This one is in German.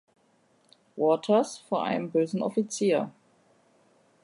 Waters vor einem bösen Offizier.